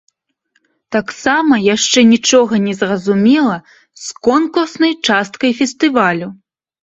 Таксама яшчэ нічога не зразумела з конкурснай часткай фестывалю.